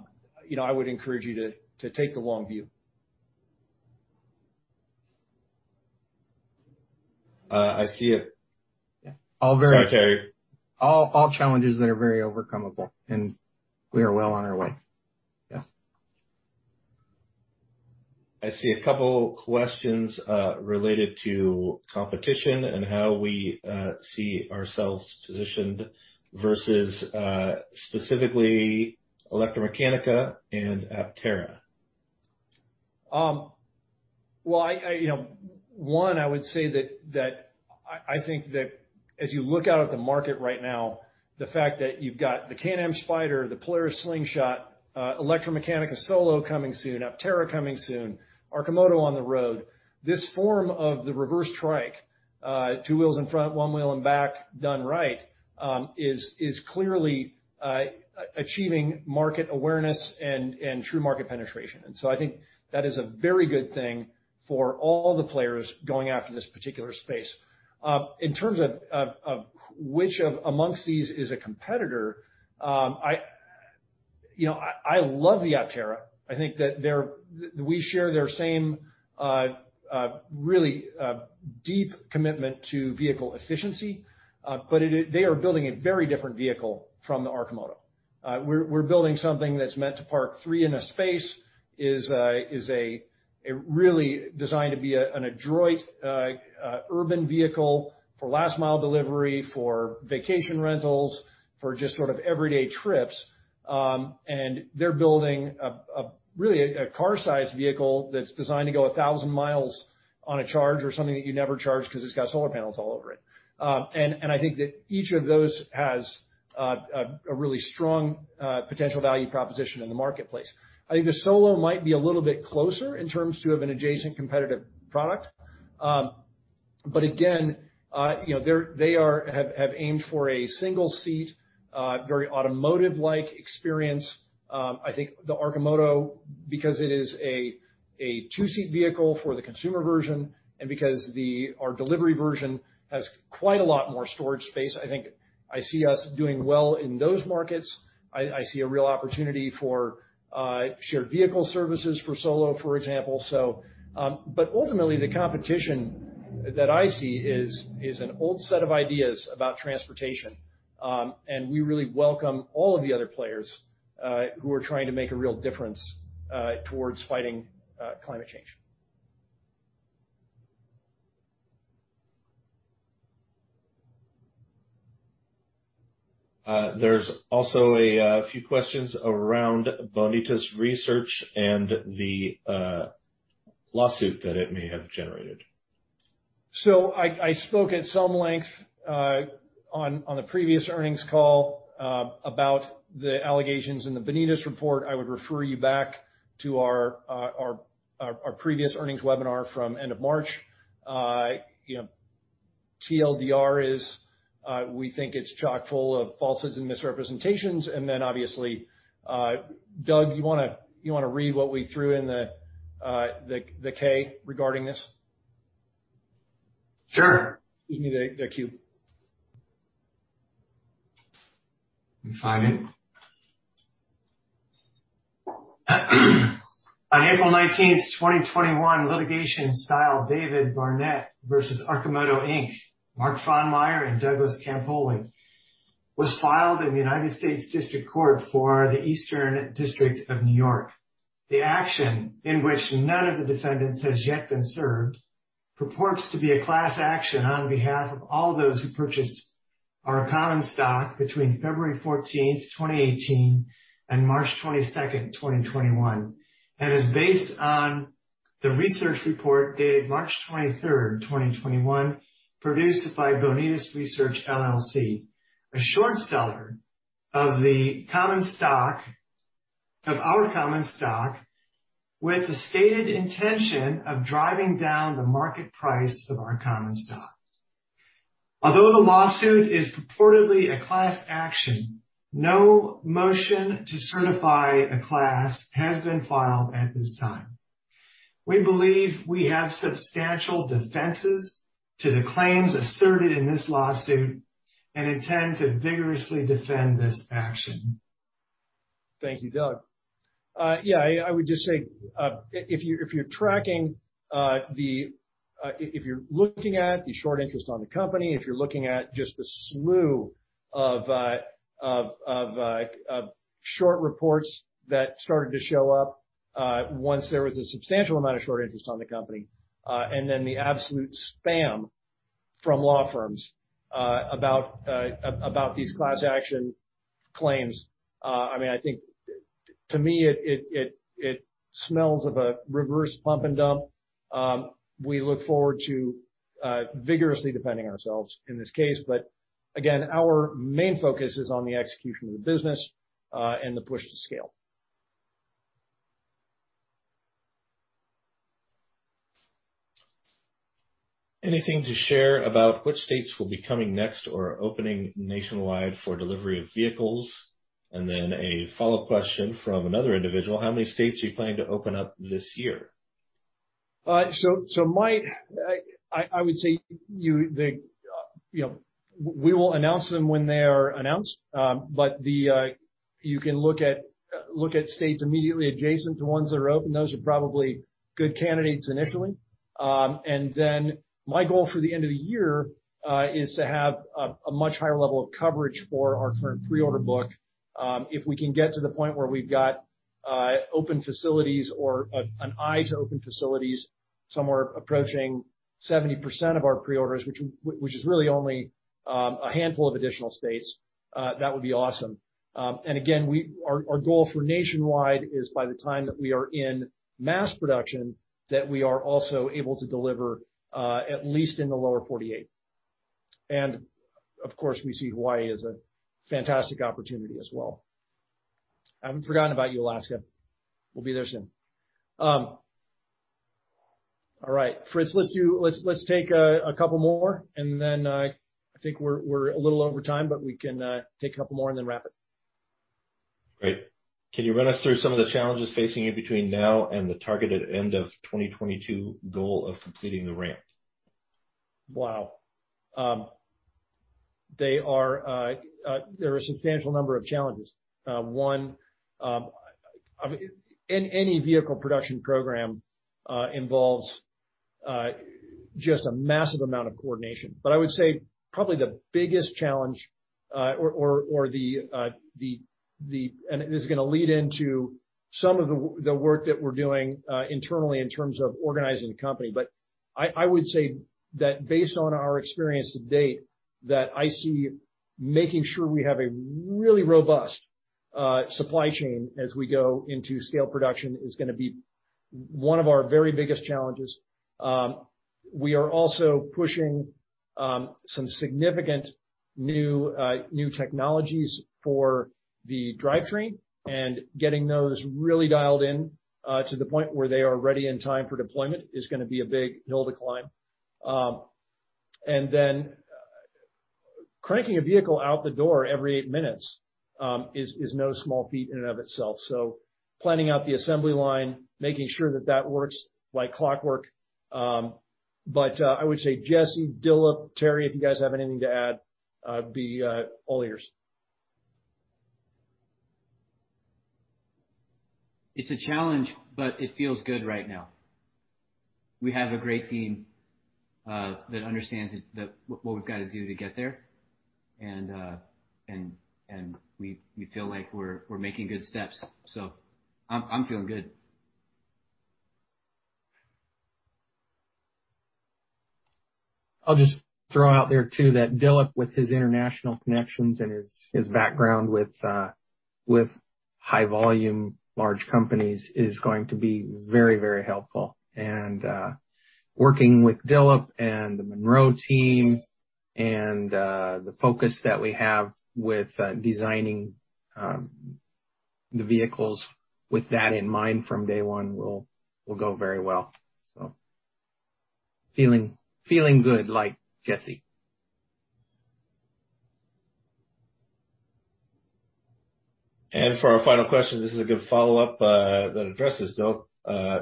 would encourage you to take the long view. I see it. All challenges that are very overcomeable, and we are well on our way. Yeah. I see a couple questions related to competition and how we see ourselves positioned versus specifically ElectraMeccanica and Aptera. One, I would say that I think that as you look out at the market right now, the fact that you've got the Can-Am Spyder, the Polaris Slingshot, ElectraMeccanica SOLO coming soon, Aptera coming soon, Arcimoto on the road. This form of the reverse trike, two wheels in front, one wheel in back, done right, is clearly achieving market awareness and true market penetration. I think that is a very good thing for all the players going after this particular space. In terms of which amongst these is a competitor, I love the Aptera. I think that we share their same really deep commitment to vehicle efficiency. They are building a very different vehicle from the Arcimoto. We're building something that's meant to park three in a space, is really designed to be an adroit urban vehicle for last mile delivery, for vacation rentals, for just sort of everyday trips. They're building really a car-sized vehicle that's designed to go 1,000 miles on a charge or something that you never charge because it's got solar panels all over it. I think that each of those has a really strong potential value proposition in the marketplace. I think the SOLO might be a little bit closer in terms of an adjacent competitive product. Again, they have aimed for a single seat, very automotive-like experience. I think the Arcimoto, because it is a two-seat vehicle for the consumer version and because our delivery version has quite a lot more storage space, I think I see us doing well in those markets. I see a real opportunity for shared vehicle services for SOLO, for example. Ultimately, the competition that I see is an old set of ideas about transportation. We really welcome all of the other players who are trying to make a real difference towards fighting climate change. There's also a few questions around Bonitas Research and the lawsuit that it may have generated. I spoke at some length on the previous earnings call about the allegations in the Bonitas report. I would refer you back to our previous earnings webinar from end of March. TLDR is we think it's chock-full of falsities and misrepresentations. Then obviously, Doug, you want to read what we threw in the K regarding this? Sure. Give me the queue. Let me find it. On April 19th, 2021, litigation styled David Barnett versus Arcimoto Inc., Mark Frohnmayer, and Douglas Campoli, was filed in the United States District Court for the Eastern District of N.Y. The action, in which none of the defendants has yet been served, purports to be a class action on behalf of all those who purchased our common stock between February 14th, 2018, and March 22nd, 2021, and is based on the research report dated March 23rd, 2021, produced by Bonitas Research LLC, a short seller of our common stock, with the stated intention of driving down the market price of our common stock. Although the lawsuit is purportedly a class action, no motion to certify a class has been filed at this time. We believe we have substantial defenses to the claims asserted in this lawsuit and intend to vigorously defend this action. Thank you, Doug. Yeah, I would just say if you're looking at the short interest on the company, if you're looking at just the slew of short reports that started to show up once there was a substantial amount of short interest on the company, and then the absolute spam from law firms about these class action claims. I think to me, it smells of a reverse pump and dump. We look forward to vigorously defending ourselves in this case. Again, our main focus is on the execution of the business and the push to scale. Anything to share about which states will be coming next or opening nationwide for delivery of vehicles? Then a follow-up question from another individual, How many states do you plan to open up this year? Mike, I would say we will announce them when they are announced. You can look at states immediately adjacent to ones that are open. Those are probably good candidates initially. My goal for the end of the year is to have a much higher level of coverage for our current preorder book. If we can get to the point where we've got open facilities or an eye to open facilities, somewhere approaching 70% of our preorders, which is really only a handful of additional states, that would be awesome. Again, our goal for nationwide is by the time that we are in mass production, that we are also able to deliver at least in the lower 48. Of course, we see Hawaii as a fantastic opportunity as well. I haven't forgotten about you, Alaska. We'll be there soon. All right, Fritz, let's take a couple more, and then I think we're a little over time, but we can take a couple more and then wrap it. Great. Can you run us through some of the challenges facing you between now and the targeted end of 2022 goal of completing the ramp? Wow. There are a substantial number of challenges. One, any vehicle production program involves just a massive amount of coordination. I would say probably the biggest challenge or and it is going to lead into some of the work that we're doing internally in terms of organizing the company. I would say that based on our experience to date, that I see making sure we have a really robust supply chain as we go into scale production is going to be one of our very biggest challenges. We are also pushing. Some significant new technologies for the drivetrain and getting those really dialed in to the point where they are ready in time for deployment is going to be a big hill to climb. Cranking a vehicle out the door every eight minutes is no small feat in and of itself. Planning out the assembly line, making sure that that works like clockwork. I would say, Jesse, Dilip, Terry, if you guys have anything to add, be all ears. It's a challenge, but it feels good right now. We have a great team that understands what we've got to do to get there, and we feel like we're making good steps. I'm feeling good. I'll just throw out there too that Dilip, with his international connections and his background with high-volume large companies, is going to be very, very helpful. Working with Dilip and the Munro team and the focus that we have with designing the vehicles with that in mind from day one will go very well. Feeling good like Jesse. For our final question, this is a good follow-up that addresses Dilip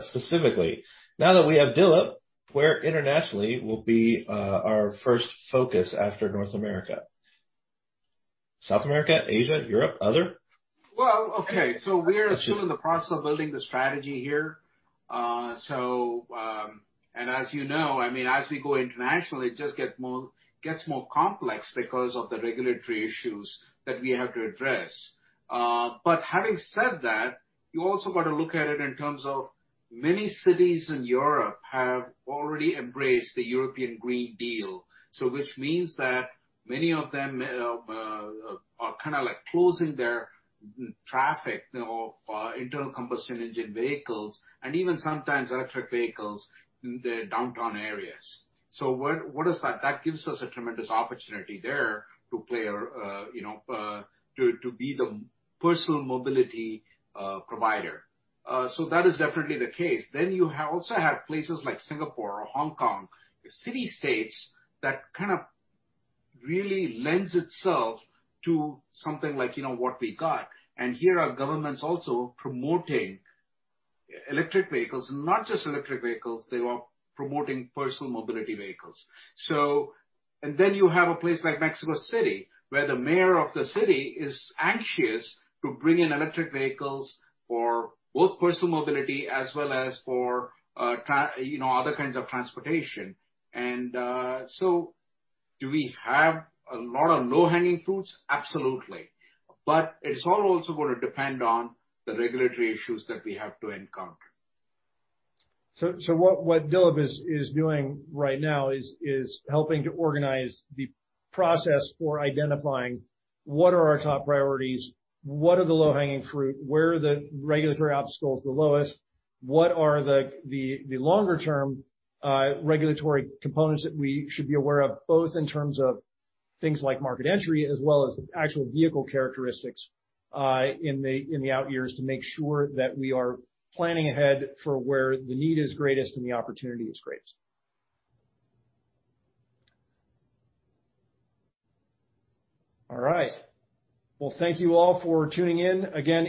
specifically. Now that we have Dilip, where internationally will be our first focus after North America? South America, Asia, Europe, other? We are still in the process of building the strategy here. As you know, as we go international, it just gets more complex because of the regulatory issues that we have to address. Having said that, you also got to look at it in terms of many cities in Europe have already embraced the European Green Deal. Which means that many of them are closing their traffic of internal combustion engine vehicles and even sometimes electric vehicles in their downtown areas. What is that? That gives us a tremendous opportunity there to be the personal mobility provider. That is definitely the case. You also have places like Singapore or Hong Kong, city-states that kind of really lends itself to something like what we got. Here are governments also promoting electric vehicles. Not just electric vehicles, they are promoting personal mobility vehicles. You have a place like Mexico City, where the mayor of the city is anxious to bring in electric vehicles for both personal mobility as well as for other kinds of transportation. Do we have a lot of low-hanging fruits? Absolutely. It's all also going to depend on the regulatory issues that we have to encounter. What Dilip is doing right now is helping to organize the process for identifying what are our top priorities, what are the low-hanging fruit, where are the regulatory obstacles the lowest, what are the longer-term regulatory components that we should be aware of, both in terms of things like market entry as well as actual vehicle characteristics in the out years to make sure that we are planning ahead for where the need is greatest and the opportunity is greatest. All right. Thank you all for tuning in. Again,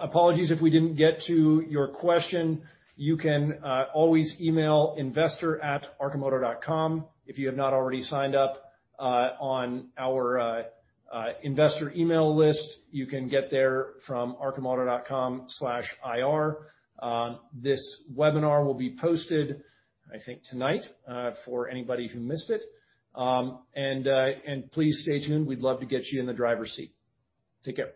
apologies if we didn't get to your question. You can always email investor@arcimoto.com. If you have not already signed up on our investor email list, you can get there from arcimoto.com/IR. This webinar will be posted, I think, tonight for anybody who missed it. Please stay tuned. We'd love to get you in the driver's seat. Take care.